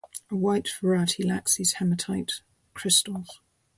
A white variety lacks these hematite crystals.